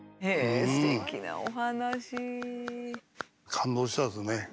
感動したですね。